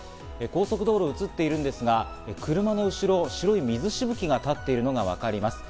高速道路が映っているんですが、車の後ろ、白い水しぶきが立っているのがわかります。